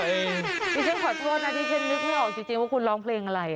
ดิฉันขอโทษนะนิดเศรษฐ์ที่ฉันนึกมาว่าจริงว่าคุณร้องเพลงอะไร